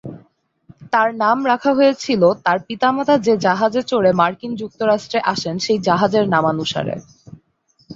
তার নাম রাখা হয়েছিল তার পিতামাতা যে জাহাজে চড়ে মার্কিন যুক্তরাষ্ট্রে আসেন সেই জাহাজের নামানুসারে।